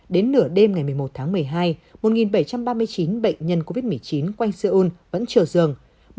đến nửa đêm ngày một mươi một tháng một mươi hai một bảy trăm ba mươi chín bệnh nhân covid một mươi chín quanh seoul vẫn chờ giường